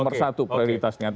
nomor satu prioritasnya